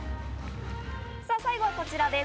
さぁ、最後はこちらです。